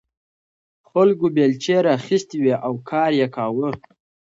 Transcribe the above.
خلکو بیلچې راخیستې وې او کار یې کاوه.